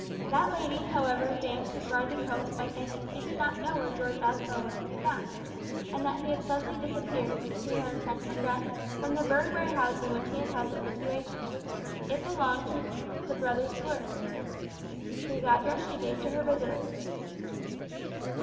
That lady, however, damped his rising hopes by saying that she did not know where George Aspel was to be found, and that he had suddenly disappeared to her intense regret from the bird warehouse in which he had held a situation. It belonged to the brothers Blurt, whose address she gave to her visitor.